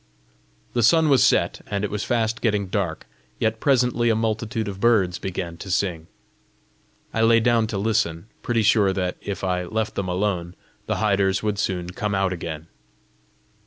The sun was set, and it was fast getting dark, yet presently a multitude of birds began to sing. I lay down to listen, pretty sure that, if I left them alone, the hiders would soon come out again.